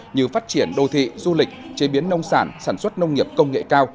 như phát triển đô thị du lịch chế biến nông sản sản xuất nông nghiệp công nghệ cao